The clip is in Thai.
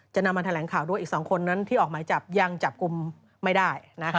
จะนำมาแถลงข่าวด้วยอีก๒คนนั้นที่ออกหมายจับยังจับกลุ่มไม่ได้